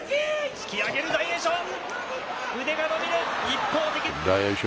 突き上げる、大栄翔。